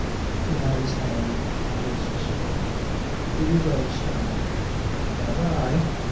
He had his hand on his sword. "Will you go, sir?" "Not I.